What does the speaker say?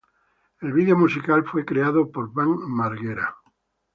El video musical fue creado por Bam Margera.